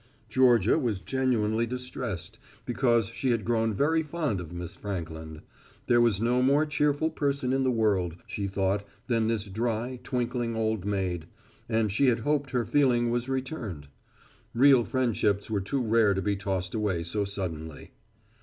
Georgia was genuinely distressed, because she had grown very fond of Miss Frankland. There was no more cheerful person in the world, she thought, than this dry, twinkling old maid. And she had hoped her feeling was returned. Real friendships were too rare to be tossed away so suddenly.